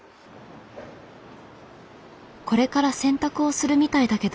これから洗濯をするみたいだけど。